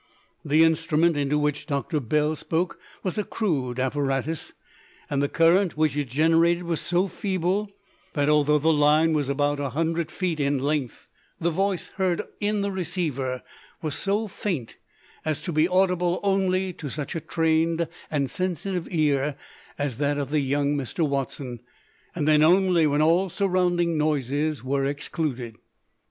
The instrument into which Doctor Bell spoke was a crude apparatus, and the current which it generated was so feeble that, although the line was about a hundred feet in length, the voice heard in the receiver was so faint as to be audible only to such a trained and sensitive ear as that of the young Mr. Watson, and then only when all surrounding noises were excluded.